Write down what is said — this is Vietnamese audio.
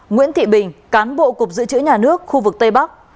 nguyễn thị bình cán bộ cục dự trữ nhà nước khu vực tây bắc